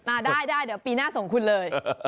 มาได้ได้เดี๋ยวปีหน้าส่งคุณเลย